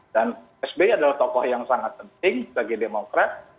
dan sby adalah tokoh yang sangat penting sebagai demokrat